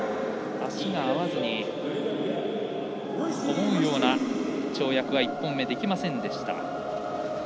足が合わずに思うような跳躍は１本目にできませんでした。